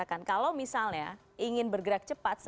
dan bisa tanjap gas